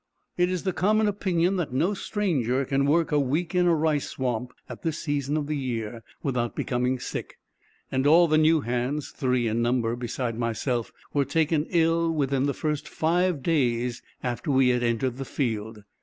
It is the common opinion, that no stranger can work a week in a rice swamp, at this season of the year, without becoming sick; and all the new hands, three in number, besides myself, were taken ill within the first five days after we had entered this field.